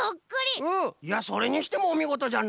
いやそれにしてもおみごとじゃな！